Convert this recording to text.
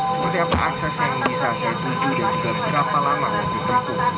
seperti apa akses yang bisa saya tuju dan juga berapa lama ditempuh